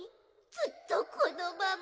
ずっとこのまま？